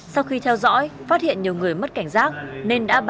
sau khi theo dõi phát hiện nhiều người mất cảnh giác nên đã báo